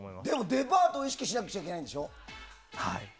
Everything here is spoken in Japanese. デパートを意識しなくちゃいけないんでしょ。